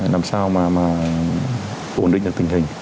làm sao mà ổn định được tình hình